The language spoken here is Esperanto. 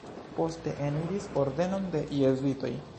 Poste eniris ordenon de jezuitoj.